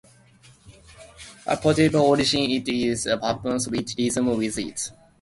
A possible origin is "it happens", which rhymes with it.